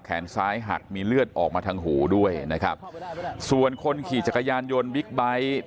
แขนซ้ายหักมีเลือดออกมาทางหูด้วยนะครับส่วนคนขี่จักรยานยนต์บิ๊กไบท์